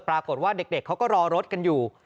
ปรากฏว่าเด็กเขาก็รอรถกันอยู่